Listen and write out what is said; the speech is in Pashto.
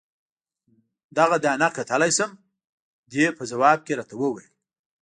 دغه دانه کتلای شم؟ دې په ځواب کې راته وویل.